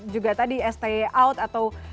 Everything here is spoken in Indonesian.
juga tadi stay out atau